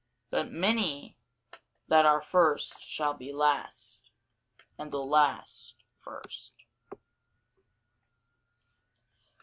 But many that are first shall be last; and the last first.